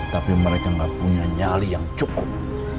tapi mereka nggak punya nyali yang cukup